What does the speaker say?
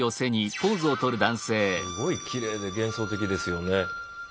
すごいきれいで幻想的ですよね。